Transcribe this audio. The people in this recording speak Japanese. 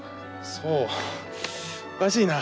そうおかしいな。